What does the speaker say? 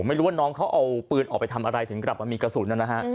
ไม่รู้ว่าน้องเขาเอาปืนออกไปทำอะไรถึงกลับมามีกระสุนนะฮะ